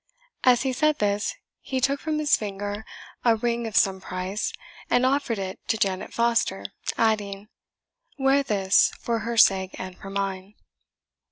As he said this, he took from his finger a ring of some price, and offered it to Janet Foster, adding, "Wear this, for her sake and for mine."